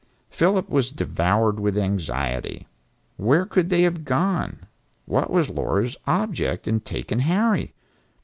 Philip was devoured with anxiety. Where could they have gone? What was Laura's object in taking Harry?